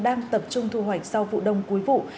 đang tập trung thu hoạch sau vụ đông cuối vụ